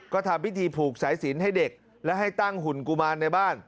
ก็ทำพิธีผูกสายสินให้เด็กและให้ตั้งหุ่นกุมารในบ้าน